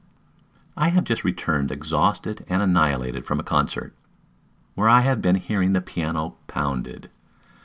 I have just returned exhausted and annihilated from a concert, where I have been hearing the piano pounded.